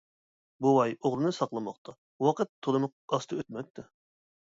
بوۋاي ئوغلىنى ساقلىماقتا، ۋاقىت تولىمۇ ئاستا ئۆتمەكتە.